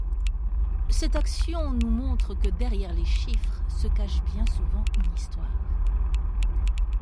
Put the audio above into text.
Cette action nous montre que derrière les chiffres se cache bien souvent une histoire.